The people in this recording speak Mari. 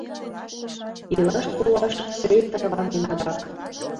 Илаш-колаш сӧй тарванен адак.